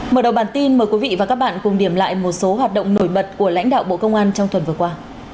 mở đầu bản tin mời quý vị và các bạn cùng điểm lại một số hoạt động nổi bật của lãnh đạo bộ công an trong tuần vừa qua